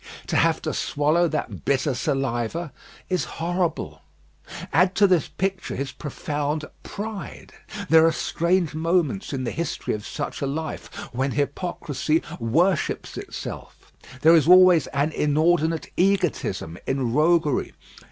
To have to swallow that bitter saliva is horrible. Add to this picture his profound pride. There are strange moments in the history of such a life, when hypocrisy worships itself. There is always an inordinate egotism in roguery.